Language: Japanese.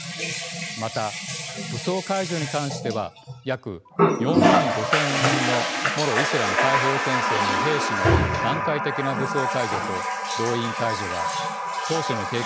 また武装解除に関しては約４万５，０００人のモロ・イスラム解放戦線の兵士の段階的な武装解除と動員解除が当初の計画に比べ大幅に遅れています。